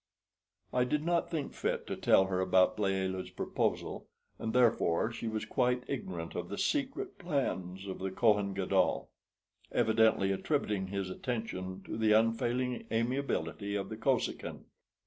I did not think fit to tell her about Layelah's proposal, and therefore she was quite ignorant of the secret plans of the Kohen Gadol, evidently attributing his attention to the unfailing amiability of the Kosekin.